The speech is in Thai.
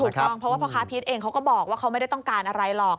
ถูกต้องเพราะว่าพ่อค้าพีชเองเขาก็บอกว่าเขาไม่ได้ต้องการอะไรหรอก